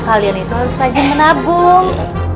kalian itu harus rajin menabung